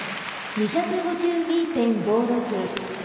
２５２．５６島